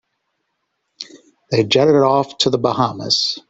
They jetted off to the Bahamas.